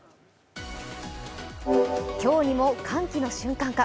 今日にも歓喜の瞬間か。